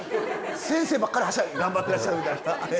先生ばっかりはしゃいで頑張ってらっしゃるみたいな。